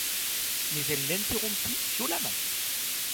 Mais elle l'interrompit violemment.